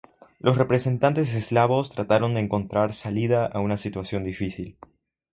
Los representantes eslavos trataron de encontrar salida a una situación difícil.